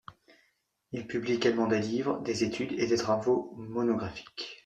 Il publie également des livres, des études et des travaux monographiques.